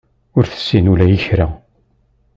Ur tessin ula i kra.